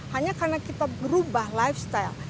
hanya karena kita berubah lifestyle